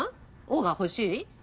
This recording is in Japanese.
「お」が欲しい？